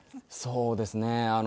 そうですね。